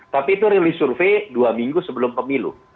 tapi itu rilis survei dua minggu sebelum pemilu